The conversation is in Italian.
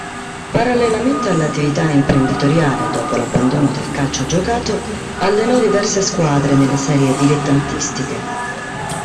Parallelamente all'attività imprenditoriale, dopo l'abbandono del calcio giocato, allenò diverse squadre nelle serie dilettantistiche.